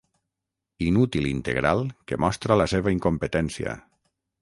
Inútil integral que mostra la seva incompetència.